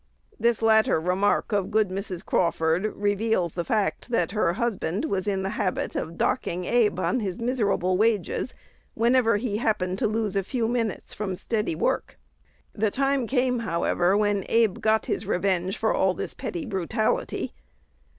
This latter remark of good Mrs. Crawford reveals the fact that her husband was in the habit of docking Abe on his miserable wages whenever he happened to lose a few minutes from steady work. The time came, however, when Abe got his "revenge" for all this petty brutality.